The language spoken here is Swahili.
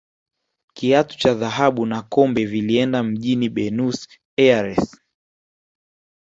kiatu cha dhahabu na kombe vilieenda mjini benus aires